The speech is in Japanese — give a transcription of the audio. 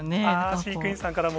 飼育員さんからも。